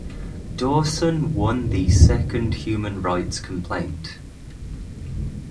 Dawson won the second human rights complaint.